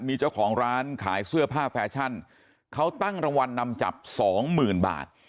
มีเจ้าของร้านขายเสื้อผ้าแฟชั่นเขาตั้งรางวัลนำจับสองหมื่นบาท